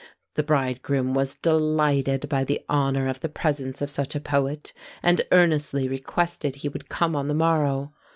The bridegroom was delighted by the honour of the presence of such a poet, and earnestly requested he would come on the morrow.